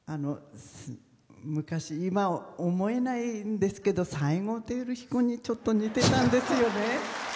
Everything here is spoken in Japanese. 昔、今を思えないんですけど西郷輝彦にちょっと似てたんですよね。